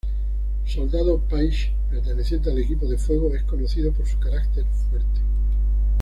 Soldado Paige: perteneciente al equipo de Fuego, es conocido por su carácter Fuerte.